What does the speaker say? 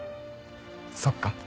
そっか。